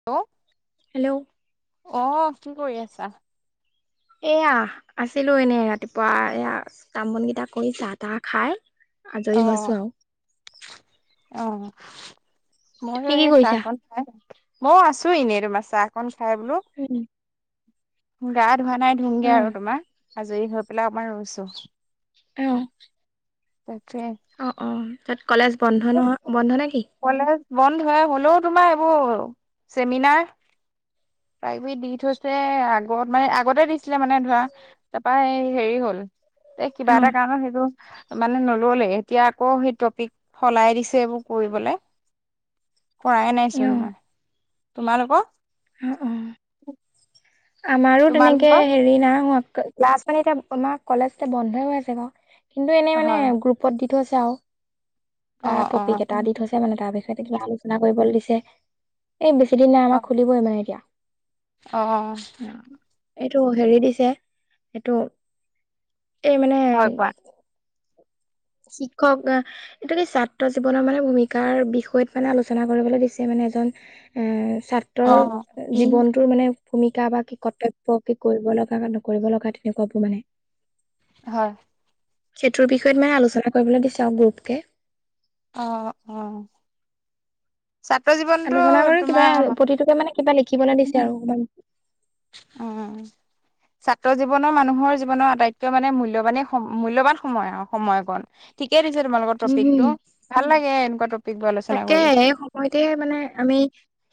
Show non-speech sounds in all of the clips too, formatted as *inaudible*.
Hello, hello, অ, কি কৰি আছা? এয়া আছিলো এনেই ৰাতিপুৱা এয়া কাম বন কেইটা কৰি চাহ তাহ খাই। অ, আজৰি হৈছো আৰু অ, ময়ো তুমি কি এই কৰিছা? চাহখন। মইও আছো এনেই তোমা চাহকন খাই বোলো। উম, গা ধোৱা নাই অ ধুমগে আৰু তোমাৰ আজৰি হৈ পেলাই অলপ ৰৈছো। অ', তাকে। অ, অ, তাত কলেজ বন্ধ নহয় বন্ধ নে কি? কলেজ বন্ধ হৈ হ'লেও তোমাৰ এইবোৰ চেমিনাৰ। তাইবি দি থৈছে আগত মানে আগতে দিছিলে মানে ধৰা। তাৰপৰা হেৰি হ'ল। এ অ কিবা এটা কাৰণত সেইটো মানে নললে এতিয়া আকৌ সেই টপিক। সলাই দিছে এইবোৰ কৰিবলে কৰাই নাই অ চোন মই। তোমালোকৰ? অ, অ, আমাৰো তেনেকে তোমালোকৰ হেৰি নাই হোৱা। ক্লাছ মানে এতিয়া আমাৰ কলেজ এয়া বন্ধই হৈ আছে বাৰ কিন্তু এনেই মানে হয় গ্ৰুপত দি থৈছে আৰু। অ তাত অ টপিক কেইটা দি থৈছে মানে তাৰপিছত কিবা আলোচনা কৰিব দিছে এই বেছি দিন ন অ আমাক খুলিবই মানে এতিয়া। অ', এইটো হেৰি দিছে এইটো এই মানে হয় পোৱা শিক্ষক অহ, এইটো কি ছাত্ৰ জীৱনৰ মানে ভূমিকাৰ বিষয়ত মানে আলোচনা কৰিবলৈ দিছে মানে এজন। এ অ ছাত্ৰৰ জীৱনটো মানে ভূমিকা বা কি কৰ্তব্য কি কৰিব লগা নকৰিব লগা তেনেকুৱাবোৰ মানে। হয়। সেইটোৰ বিষয়ত মানে আলোচনা কৰিবলৈ দিছাও গ্ৰুপকে। অ, অ, ছাত্ৰ জীৱনটো আলোচনা কৰি কিবা তোমাৰ প্ৰতিটোকে মানে কিবা লিখিবলে দিছে আৰু অকমান উম, ছাত্ৰ জীৱনৰ মানুহৰ জীৱনৰ আটাইতকৈ মানে মূল্যবানেই সম মূল্যবান সময় আৰু সময়কণ। ঠিকেই দিছে তোমালোকৰ উম টপিক। হম বোৰ আলোচনা তাকে, কৰি এই সময়তে মানে আমি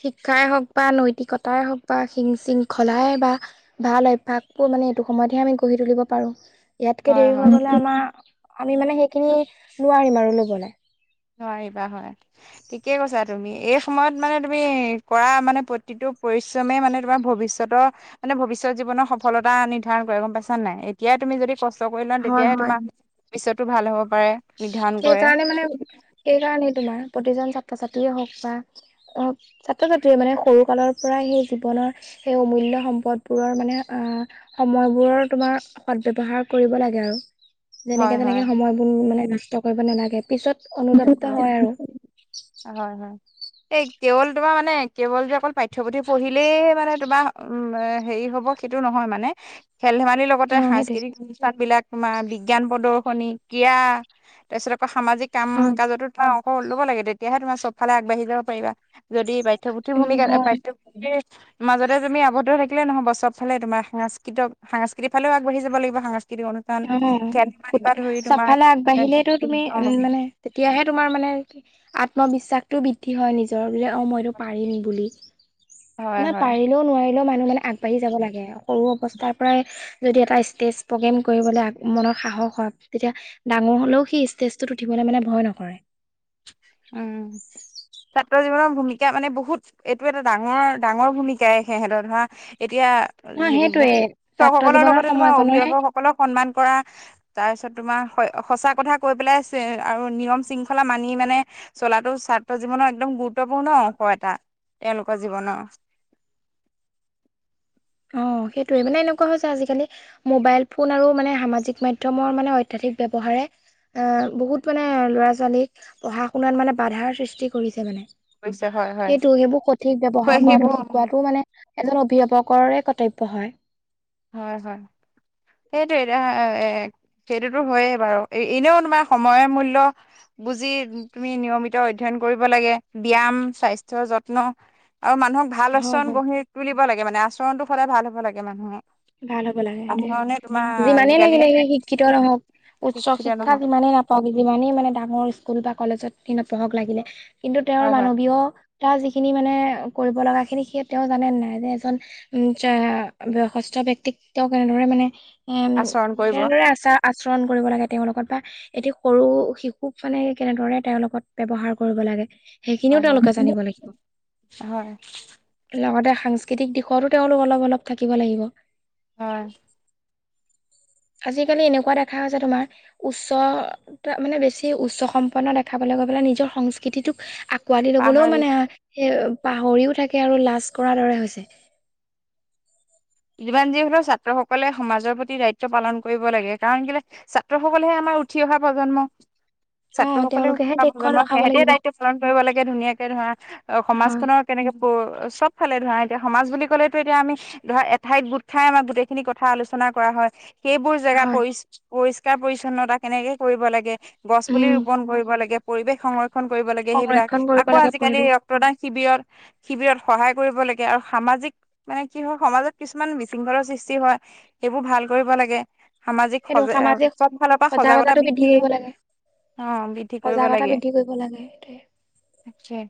শিক্ষাই হওঁক বা নৈতিকতাই হওক বা শিং শিংখলাই বা ভাল অভ্যাস বোৰ মানে এইটো সময়তহে আমি গঢ়ি তুলিব পাৰো। ইয়াতকে হয় দেৰি হয় হৈ গলে, আমাৰ আমি মানে সেইখিনি নোৱাৰিম আৰু ল'বলৈ। নোৱাৰিবা হয়, ঠিকে কৈছা। তুমি এই সময়ত মানে, তুমি কৰা *unintelligible* মানে ভৱিষ্যত জীৱনৰ সফল *unintelligible* ষ্ট কৰি লওঁ, হয় তেতিয়াহে হয় তোমাৰ ভৱিষ্যতটো ভাল হ'ব পাৰে, নিৰ্ধাৰণ কৰে। এই কাৰণেই তোমাৰ, প্ৰতিজন ছাত্ৰ-ছাত্ৰীয়ে হওঁক বা অ', ছাত্ৰ-ছাত্ৰীয়ে মানে, সৰু কালৰ পৰাই সেই জীৱনৰ সেই সময়বোৰৰ তোমাৰ সৎ ব্যৱহাৰ কৰিব লাগে আৰু। যেনেকে, হয় তেনেকে হয় সময় বোৰ *unintelligible* হয়, হয়। এই কেৱল তোমাৰ মানে, কেৱল যে অকল পাঠ্যপুথি উম, হেৰি হ'ব সেইটো নহয় মানে। লগতে অ সেইটোৱে সাংস্কৃতিক *unintelligible* কাম কাজ পাঠ্য পুথিৰ উম ভূমিকা, পাই হয় মাজতে তুমি আবদ্ধ অ', চবফালে আগবাঢ়িলেইটো তুমি অ উম, মানে তেতিয়াহে তোমাৰ অ', মই এইটো পাৰিম বুলি, হয় ন' হয় পাৰিম নোৱাৰিলেও মানুহ মানে আগবাঢ়ি যাব লাগে, সৰু অৱস্থাৰ পৰাই যদি এটা ষ্টেজ প্ৰগ্ৰেম কৰিবলৈ উম। ছাত্ৰ জীৱনৰ ভূমিকা মানে বহুত, এইটো এটা ডাঙৰ, ডাঙৰ ভূমিকাই সেহেঁতৰ ধৰা এতিয়া অ সেইটোয়ে ছাত্ৰ জীৱনৰ সময়কণহে তাৰ পিছত তোমাৰ, সঁচা কথা কৈ পেলাই আৰু নিয়ম শৃংখলা মানি মানে চলাটো ছাত্ৰ জীৱনৰ একদম গুৰুত্বপূৰ্ণ অ', সেইটোৱে, মানে এনেকুৱা হৈছে যে আজিকালি মোবাইল ফোন আৰু মানে সামাজিক মাধ্যমৰ অত্যাধিক ব্যৱহাৰে এ, বহুত মানে ল'ৰা ছোৱালীক পঢ়া শুনাত বাধাৰ অৱশ্যে হয় হয় হয় সেইবোৰ *unintelligible* *unintelligible* এজন অভিভাৱকৰে কৰ্তব্য হয়। হয়, হয়। সেইটো এতিয়া, এ' সেইটোটো হয়য়েই বাৰু। এনেও তোমাৰ সময় মূল্য বুজি তুমি নিয়মিত অধ্যয়ন কৰিব লাগে। ব্যায়ায়াম স্বাস্থ্যয়ৰ যত্ন। আৰু মানুহক ভাল হয় আচৰণ হয় গঢ়ি তুলিব লাগে, মানে আচৰণটোৰ সদায় ভাল হ'ব লাগে মানুহৰ। ভাল হব লাগে সেইটোৱে। যিমানেই আজিকালি লাগিলে সি শিক্ষিত নহওক, উচ্চ শিক্ষিত শিক্ষা নহয় যিমানে নাপ যিমানেই মানে ডাঙৰ স্কুল বা কলেজত নপঢ়ক লাগিলে, কিন্তু তেওঁৰ হয় হয় মানৱীয় তেওঁৰ যিখিনি মানে কৰিব লগা খিনি, সেই তেওঁ জানে নে নাই যে, এজন উ' বয়সস্থ ব্যয়ক্তিক তেওঁ কেনেদৰে মানে এ, আচৰণ কৰিব কেনেদৰে আচাৰ- আচৰণ কৰিব লাগে, তেওঁৰ লগত বা এটি সৰু শিশুক মানে, কেনেদৰে তেওঁৰ লগত ব্যৱহাৰ কৰিব লাগে। সেইখিনিও হয় হয় তেওঁলোকে জানিব লাগিব। হয় লগতে সাংস্কৃতিক দিশতো তেওঁলোক অলপ-অলপ থাকিব লাগিব। হয়। আজি-কালি এনেকুৱা দেখা হৈছে তোমাৰ উচ্চ, মানে বেছি উচ্চ সম্পন্ন দেখাবলৈ গৈ পেলাই নিজৰ, সংস্কৃতিটোক গোৱালি লবলৈও পাহাৰী মানে, পাহৰিও থাকে আৰু লাজ কৰাৰ দৰে হৈছে। যিমান যি হ'লেও ছাত্ৰসকলে সমাজৰ প্ৰতি দায়িত্ব পালন কৰিব লাগে কাৰণ কেলে ছাত্ৰসকলেহে আমাৰ উঠি অহা প্ৰজন্ম। অ' ছাত্ৰসকলে উঠি তেওঁলোকেহে দেশখন প্ৰজন্ম ৰখাব সেহেতিহে লাগিব দায়িত্ব পালন কৰিব লাগে ধুনীয়াকে ধৰা হয় সমাজখনৰ কেনেকে চব ফালে ধৰা এতিয়া সমাজ বুলি ক'লেটো এতিয়া আমি ধৰা এঠাইত গোট খাই আমাৰ গোটেইখিনি কথা আলোচনা কৰা হয় সেইবোৰ জেগা হয় পৰি পৰিষ্কাৰ-পৰি্ছন্নতা কেনেকে কৰিব লাগে, গছ-পুলি উম ৰোপন কৰিব লাগে, পৰিৱেশ সংৰক্ষণ ক্ষণ কৰিব লাগে সেইবিলাক সংৰক্ষণ কৰিব আকৌ লাগে আজিকালি পৰিৱেশ ৰক্তদান শিবিৰত শিবিৰত সহায় কৰিব লাগে আৰু সামাজিক মানে কি হয় সমাজত কিছুমান বিশৃংখলৰ সৃষ্টি হয় সেইবোৰ ভাল কৰিব লাগে, সামাজিক সেইটো সজাগ সামাজিক চব ফালৰ পৰা সজাগতা সজাগতাটো বৃদ্ধি কৰিব লাগে অ বৃদ্ধি কৰিব সজাগতা লাগে বৃদ্ধি কৰিব লাগে সেইটোৱে তাকে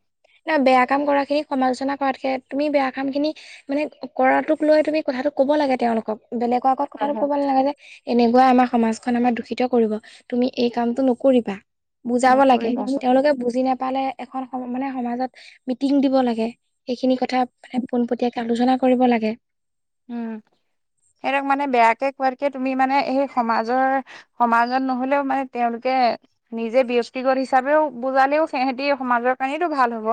বেয়া কাম কৰাখিনিক সমালোচনা কৰাতকে তুমি বেয়া কামখিনি মানে কৰাটোকলৈ তুমি কথাটো ক'ব লাগে তেওঁলোকক বেলেগৰ আগত হয় কথাটো হয় কব লাগে যে এনেকুৱাই আমাৰ সমাজখন আমাৰ দূষিত কৰিব তুমি এই কামটো নকৰিবা। বুজাব লাগে, নকৰিবা তেওঁলোকে বুজি নেপালে এখন মানে সমাজত মিটিং দিব লাগে, সেইখিনি কথা মানে পোনপটীয়াকে আলোচনা কৰিব লাগে। উম সিহঁতক মানে বেয়াকে কোৱতকে তুমি মানে সেই সমাজৰ সমাজত নহ'লেও মানে তেওঁলোকে নিজে ব্যক্তিগত হিচাপেও বুজালেও সেহেতি সমাজৰ কাৰণেইটো ভাল হ'ব।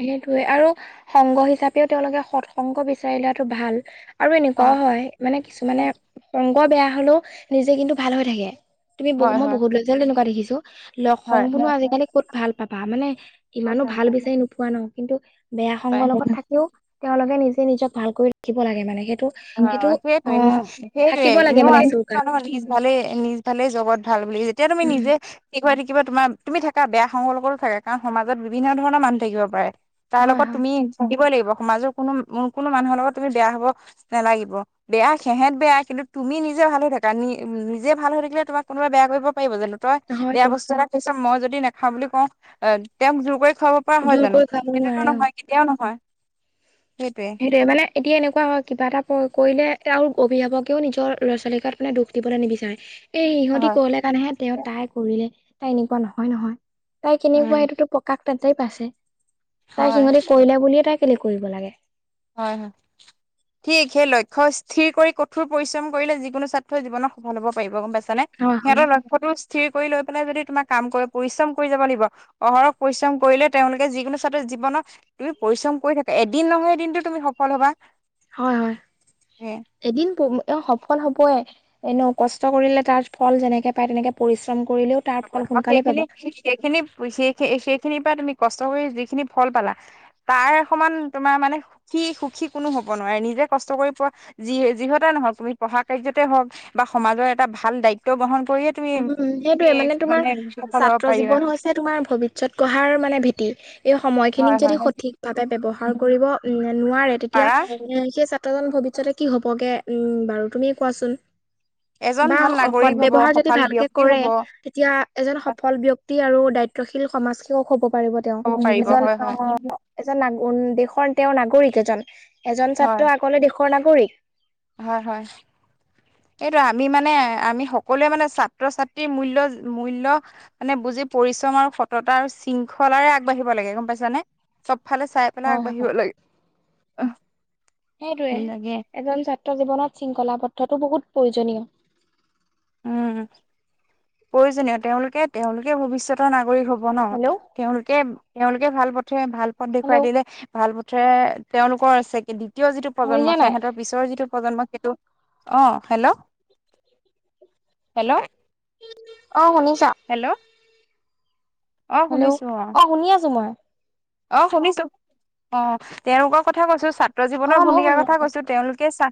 সেইটোয়ে আৰু সংগ হিচাপেও তেওঁলোকে সৎ সংগ বিচাৰি লোৱাটো ভাল। আৰু অ এনেকুৱাও হয় মানে কিছুমানে সংগ বেয়া হ'লেও নিজে কিন্তু ভাল হৈ থাকে। তুমি হয় মই হয় বহু ল'ৰা-ছোৱালী তেনেকুৱা দেখিছো। লগ, হয় সংগবোৰনো আজিকালি ক'ত ভাল পাবা মানে বহুত ইমানো ভাল পায় বিচাৰি নো ন কিন্তু বেয়া সংগৰ নাপায় লগত থাকিও তেওঁলোকে নিজে নিজক ভাল কৰি ৰাখিব লাগে মানে সেইটো অ সেইটো অ সেইটোৱে নি থাকিব সেইটোৱেই লাগে ইনও মানে সেইটো কাৰণে নিজ ভালেই নিজ ভালেই জগত ভাল বুলি যেতিয়া তুমি উম নিজে ঠিক হৈ থাকিব, তোমাৰ তুমি থাকা বেয়া সংগৰ লগতো থাকা কাৰণ সমাজত বিভিন্ন ধৰণৰ মানুহ থাকিব পাৰে। তাৰ হয় লগত হয় তুমি থকিবয়ে লাগিব সমাজৰ কোনো কোনো মানুহৰ লগত তুমি বেয়া হ'ব নেলাগিব। বেয়া সেহেত বেয়া কিন্তু তুমি নিজে ভাল হৈ থাকা নি নিজে ভাল হৈ থাকিলে তোমাক কোনোবাই বেয়া কৰিব পাৰিব জানো? তই বেয়া হয়তো বস্তু খাইছ মই যদি নাখাওঁ বুলি কওঁ এ তেওঁক জোৰ কৰি খুৱাব হয় জোৰ জানো কৰি খুৱাব সেটোতো নোৱাৰে অ নহয় কেতিয়াও নহয় সেইটোৱে। সেইটোৱে মানে এতিয়া এনেকুৱা হয় কিবা এটা কৰিলে আৰু অভিভাৱকেও নিজৰ ল'ৰা-ছোৱালীৰ গাত মানে দুখ দিবলে নিবিচাৰে। এই ইহঁতি হয়। ক'লে কাৰণেহে তেওঁ তাই কৰিলে তাই এনেকুৱা নহয় নহয়। তাই কেনেকুৱা উম, এইটোতো প্ৰকাশ তাতেই পাইছে তাই হয়, সিহঁতি কৰিলে বুলিয়ে তাই কেলে কৰিব লাগে। হয় হয়। ঠিক সেই লক্ষ্য স্থিৰ কৰি কঠোৰ পৰিশ্ৰম কৰিলে যিকোনো ছাত্ৰই জীৱনত সফল হ'ব পাৰিব গম পাইছানে। হয় হয় সিহঁতৰ লক্ষ্যটো স্থিৰ কৰি লৈ পেলাই যদি তোমাৰ কাম কৰিব পৰিশ্ৰম কৰি যাব লাগিব অহৰহ পৰিশ্ৰম কৰিলে তেওঁলোকে যিকোনো ছাত্ৰই জীৱনত তুমি পৰিশ্ৰম কৰি থাকা এদিন নহয় এদিনটো তুমি সফল হ'বা। হয় হয় এদিন প অ সফল হ'বই। এনেও কষ্ট কৰিলে তাৰ ফল যেনেকে পায় তেনেকে পৰিশ্ৰম কৰিলেও তাৰ ফল আৰু সোনকালে সেইখিনি পাবা। সেইখিনি সেই সেইখিনিৰ পৰা তুমি কষ্ট কৰি যিখিনি ফল পালা তাৰ সমান তোমাৰ মানে সুখী সুখী কোনো হ'ব নোৱাৰে নিজে কষ্ট কৰি পোৱা যি যিহতে নহওঁক তুমি পঢ়া কাৰ্যতে হওঁক বা সমাজৰ এটা ভাল দায়িত্ব বহন কৰিয়ে তুমি উম, তুমি সেইটোয়ে মানে তোমাৰ সফল হ'ব ছাত্ৰ পাৰিবা জীৱন তোমাৰ ভৱিষ্যত গঢ়াৰ মানে ভেটি এই সময়খিনিক হয় যদি হয় সঠিক ভাৱে ব্যৱহাৰ কৰিব নোৱাৰে তেতিয়া পাৰা এ সেই ছাত্ৰজন ভৱিষ্যতে কি হ'বগে উম বাৰু তুমি কোৱাচোন এজন বা ভাল নাগৰিক হব সদব্যৱহাৰ যদি যদি সফল ভালকে ব্যক্তি কৰে হব তেতিয়া এজন সফল ব্যক্তি আৰু দায়িত্বশীল সমাজসেৱক হ'ব পাৰিব। তেওঁ, হব পাৰিব এজন হয় হয় অহ এজন নাগ উ দেশৰ তেওঁৰ নাগৰিক এজন, এজন হয় ছাত্ৰ আগলে দেশৰ নাগৰিক। হয়, হয়। সেইটো আমি মানে, আমি সকলোৱে মানে ছাত্ৰ-ছাত্ৰীৰ মূল্য মূল্য মানে বুজি পৰিশ্ৰম আৰু সততা শৃংখলাৰে আগবাঢ়িব লাগে গম পাইছানে, চব ফালে চাই *unintelligible* হয়, আগবাঢ়িব হয়। লাগে। সেইটোয়ে, লাগে এজন ছাত্ৰ জীৱনত শৃংখলা *unintelligible* বহুত প্ৰয়োজনীয়। উম, প্ৰয়োজনীয়। তেওঁলোকে, তেওঁলোকে ভৱিষ্যতৰ নাগৰিক হব নহ। হেল্ল', তেওঁলোকে তেওঁলোকে ভাল পথে, ভাল পথ হেল্ল'। দেখুৱাই দিলে ভাল পথে তেওঁলোকৰ আছে *unintelligible* দ্বিতীয় যিটো শুনিছা প্ৰজন্ম নাই? সিহঁতৰ পিছৰ যিটো প্ৰজন্ম সেইটো, অ' হেল্ল'? হেল্ল'? অ', শুনিছা? হেল্ল'? অ হেল্ল' শুনিছো অ' শুনি আছো মই। অ', শুনিছো, অ' তেওঁলোকৰ কথা কৈছো ছা ছাত্ৰ অ জীৱণৰ মইও ভূমিকাৰ শুনি কথা আছো। কৈছো, তেওঁলোকে চা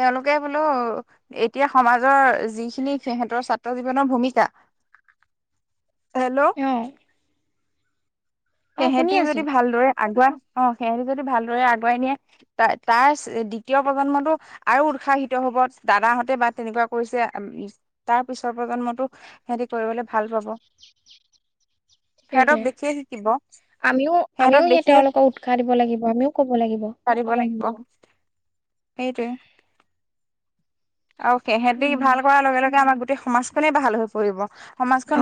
তেওঁলোকে বোলো এতিয়া সমাজৰ, যিখিনি সিহঁতৰ ছাত্ৰ জীৱনৰ ভূমিকা হেল্ল'? *unintelligible* অ শুনি সেহঁতি আছো যদি ভালদৰে আগুৱাই, অ' সেহঁতি যদি ভালদৰে আগুৱাই নিয়ে তা-তাৰ দ্বিতীয় প্ৰজন্মটো আৰু উৎসাহিত হব, দাদাহঁতে বা তেনেকুৱা কৰিছে। তাৰ পিছৰ প্ৰজন্মটো সেহতি কৰিবলে ভাল পাব। সেইটোৱে। সেহঁতক দেখিয়ে থাকিব। আমিও আমিও *unintelligible* তেওঁলোকক উৎসাহ দিব লাগিব, আমিও কব লাগিব। পাৰিব লাগিব, সেইটোৱে। আৰু সেহেঁতি উম ভাল কৰাৰ লগে লগে আমাৰ গোটেই সমাজখনেই ভাল হৈ পৰিব।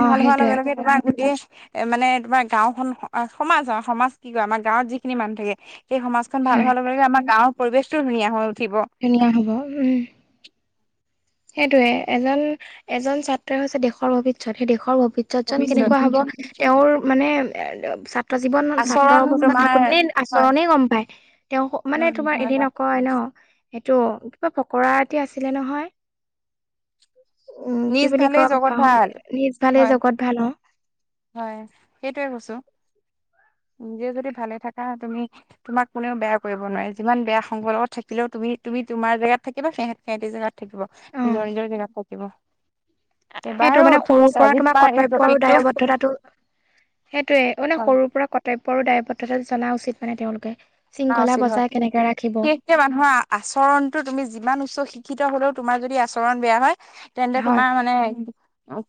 অ ভাল হোৱাৰ সেইটোৱে লগে লগে *unintelligible* মানে তোমাৰ গাঁওখন সমাজ অ' সমাজ কি কয় আমাৰ গাঁৱত যিখিনি মানুহ থাকে, সেই সমাজ ভাল হয় হোৱাৰ লগে লগে আমাৰ গাঁৱৰ পৰিবেশটো ধুনীয়া হৈ উঠিব। ধুনীয়া হ'ব, উম। সেইটোয়ে এজন এজন ছাত্ৰ হৈছে দেশৰ ভৱিষ্যত, সেই দেশৰ ভৱিষ্যতজন কেনেকুৱা হ'ব ভৱিষ্যত তেওঁৰ মানে এ ছাত্ৰ জীৱন, ছাত্ৰ আচৰণ অৱস্থাত তোমাৰ থাকোতেনে হয় আচৰণেই গম পায়। তেওঁ হয় মানে তোমাৰ এনে হয় নকয় ন' সেইটো কিবা ফকৰা এটি আছিলে নহয়? উম, কি নিজ বুলি ভালেই *unintelligible* জগত ভাল পাহৰি নিজ ভালেই হয় জগত ভাল *unintelligible* হয়, সেইটোৱে কৈছো। নিজে যদি ভালে থাকা তুমি তোমাক কোনেও বেয়া কৰিব নোৱাৰে, যিমান বেয়া সংগৰ লগত থাকিলেও তুমি-তুমি তোমাৰ জেগাত থাকিবা, সেহঁত সেহঁতি জেগাত থাকিব, অ নিজৰ নিজৰ জেগাত থাকিব। সেইটো এবাৰো মানে ঠিক সৰুৰ আছে, পৰা আজি তোমাৰ এই কৰ্তব্য আৰু প্ৰতীকটো দায়বদ্ধতাটো সেইটোয়ে, মানে সৰুৰ পৰা কৰ্তব্য আৰু দায়বদ্ধতা জনা উচিত মানে তেওঁলোকে। শৃংখলা *unintelligible* হয় বজাই *unintelligible* কেনেকে ৰাখিব এয়া মানুহৰ আচৰণটো তুমি যিমান উচ্চ শিক্ষিত হলেও তোমাৰ যদি আচৰণ বেয়া হয় তেন্তে হয় তোমাৰ মানে,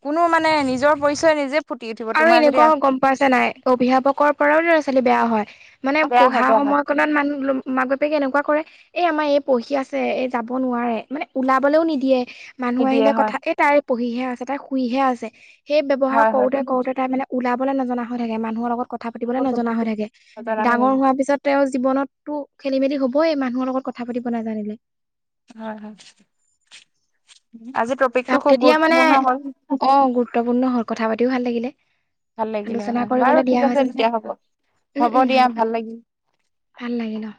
কোনো মানে নিজৰ পৰিচয় নিজে ফুটি উঠিব আৰু তোমাৰ যদি এনেকুৱা গম আচৰণটো পাইছা বেয়া হয়। নাই, অভিভাৱকৰ পৰাও ল'ৰা-ছোৱালী বেয়া হয়, মানে বেয়া হয় পঢ়া বেয়া হয় সময়কনত মান মাক বাপেকে এনেকুৱা কৰে, এ আমাৰ এই পঢ়ি আছে। এই যাব নোৱাৰে, মানে ওলাবলৈও নিদিয়ে। মানুহ নিদিয়ে আহিলে হয় কথা এই তাই পঢ়িহে আছে, তাই শুইহে আছে, সেই ব্যৱহাৰ হয় হয়। কৰোতে প্ৰাই মানে ওলাবলে নজনা হৈ থাকে, মানুহৰ লগত কথা পাতিবলৈ নজনা হৈ থাকে, ডাঙৰ হোৱাৰ পিছত তেওঁৰ জীৱনততো খেলি মেলি হবই মানুহৰ লগত কথা পাতিব নাজানিলে। হয় হয় আজি প্ৰ তাত তেতিয়া মানে অ' গুৰুত্বপূৰ্ণ হ'ল কথা পাতিও ভাল লাগিলে। ভাল লাগিলে আলোচনা হয়। কৰিবলৈ বাৰু দিয়া ঠিক আছে হৈছে তেতিয়া হ'ব, উম হ'ব উম দিয়া ভাল লাগিল। ভাল লাগিল অ'।